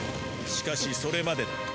しかしそれまでだ。